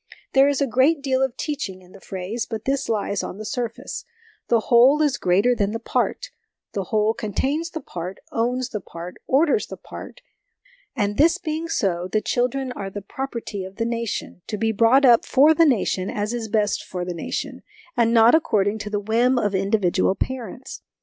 There is a great deal of teaching in the phrase, but this lies on the surface ; the whole is greater than the part, the whole contains the part, owns the part, orders the part ; and this being so, the 6 HOME EDUCATION children are the property of the nation, to be brought up for the nation as is best for the nation, and not according to the whim of individual parents.